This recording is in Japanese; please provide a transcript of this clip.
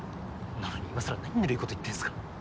なのに今更何ぬるいこと言ってんすか。